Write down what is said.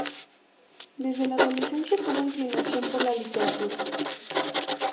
Desde la adolescencia tuvo inclinación por la literatura.